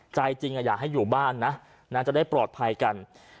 ใจจริงอยากให้อยู่บ้านนะจะได้ปลอดภัยกัน